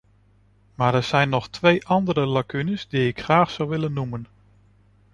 Maar er zijn nog twee andere lacunes die ik graag zou willen noemen.